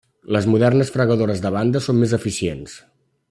Les modernes fregadores de banda són més eficients.